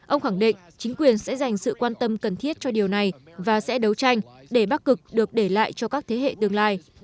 ông khẳng định chính quyền sẽ dành sự quan tâm cần thiết cho điều này và sẽ đấu tranh để bắc cực được để lại cho các thế hệ tương lai